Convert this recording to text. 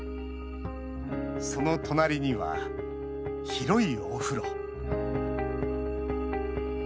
その隣には、広いお風呂。